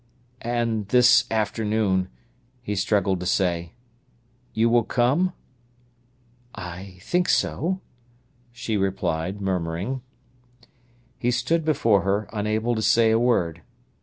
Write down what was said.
"And this afternoon," he struggled to say. "You will come?" "I think so," she replied, murmuring. He stood before her, unable to say a word.